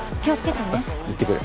うん行ってくる。